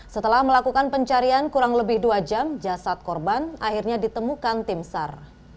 setelah melakukan pencarian kurang lebih dua jam jasad korban akhirnya ditemukan tim sar